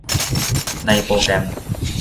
ในโปรแกรม